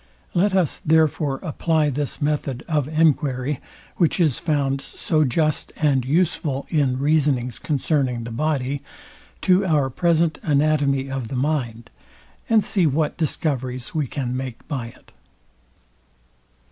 Let us, therefore, apply this method of enquiry, which is found so just and useful in reasonings concerning the body, to our present anatomy of the mind, and see what discoveries we can make by it.